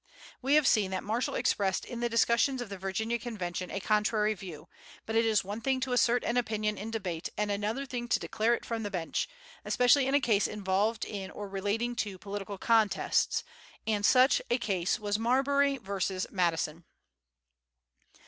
We have seen that Marshall expressed in the discussions of the Virginia convention a contrary view; but it is one thing to assert an opinion in debate and another thing to declare it from the bench, especially in a case involved in or related to political contests; and such a case was Marbury v. Madison.